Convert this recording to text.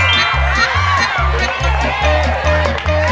๑๐แล้ว๖